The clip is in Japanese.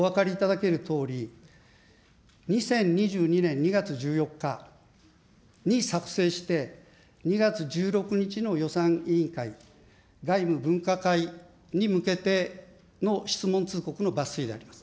このパネル１は、実は見てお分かりいただけるとおり、２０２２年２月１４日に作成して、２月１６日の予算委員会外務分科会に向けての質問通告の抜粋であります。